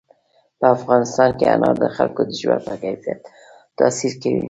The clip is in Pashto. په افغانستان کې انار د خلکو د ژوند په کیفیت تاثیر کوي.